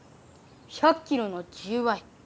１００キロの１０ばい。